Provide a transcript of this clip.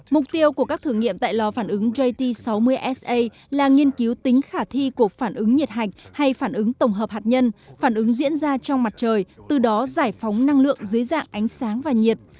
mục tiêu của các thử nghiệm tại lò phản ứng jt sáu mươi sa là nghiên cứu tính khả thi của phản ứng nhiệt hạch hay phản ứng tổng hợp hạt nhân phản ứng diễn ra trong mặt trời từ đó giải phóng năng lượng dưới dạng ánh sáng và nhiệt